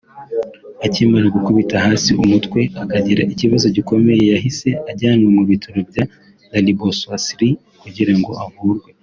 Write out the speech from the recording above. Akimara gukubita hasi umutwe akagira ikibazo gikomeye yahise ajyanwa mu bitaro bya Lariboisière kugira ngo avurwe